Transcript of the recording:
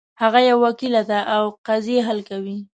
هغه یو وکیل ده او قضیې حل کوي